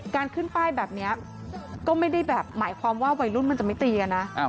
การขึ้นป้ายแบบนี้ก็ไม่ได้แบบหมายความว่าวัยรุ่นมันจะไม่ตีกันนะ